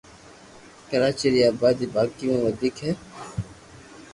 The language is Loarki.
ڪراچي ري آبادي باقي مون وديڪ ھي